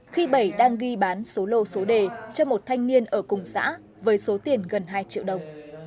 khi bảy đang ghi bán số lô số đề cho một thanh niên ở cùng xã với số tiền gần hai triệu đồng